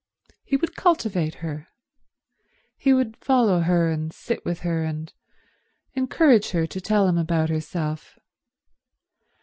He would cultivate her. He would follow her and sit with her, and encourage her to tell him about herself.